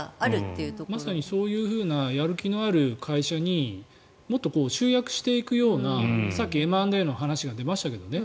まさにそういうふうなやる気のある会社にもっと集約していくようなさっきＭ＆Ａの話が出ましたけどね。